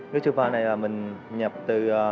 ghế sofa này là mình nhập từ